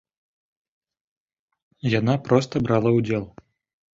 Яна проста брала ўдзел.